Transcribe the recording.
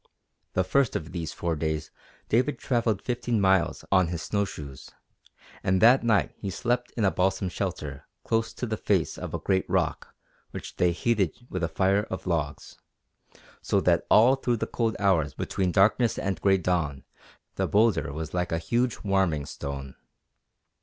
The first of these four days David travelled fifteen miles on his snow shoes, and that night he slept in a balsam shelter close to the face of a great rock which they heated with a fire of logs, so that all through the cold hours between darkness and gray dawn the boulder was like a huge warming stone.